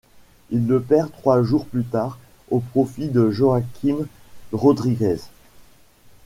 Il le perd trois jours plus tard, au profit de Joaquim Rodríguez.